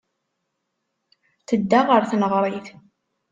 Tedda ɣer tneɣrit.